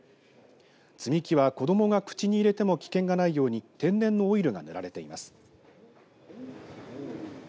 積み木は子どもが口に入れても危険がないように天然のオイルが塗られています。